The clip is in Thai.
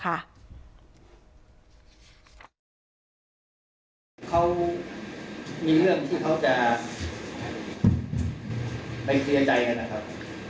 เขามีเรื่องที่เขาจะไปเสียใจกันนะครับ